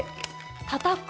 たたく？